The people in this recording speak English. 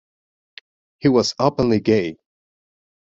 He was openly gay.